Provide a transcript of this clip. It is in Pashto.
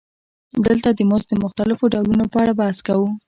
دلته د مزد د مختلفو ډولونو په اړه بحث کوو